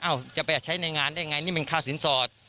จะไปใช้ในงานได้ไงนี่มันค่าสินสอด